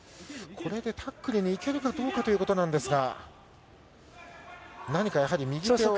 これでタックルにいけるかどうかというところですが。